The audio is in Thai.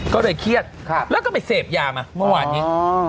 ก็เลยเครียดแล้วก็ไปเสพยามาเมื่อวานนี้